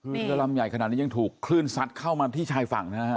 คือเรือลำใหญ่ขนาดนี้ยังถูกคลื่นซัดเข้ามาที่ชายฝั่งนะฮะ